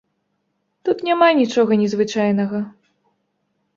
Тут няма нічога незвычайнага.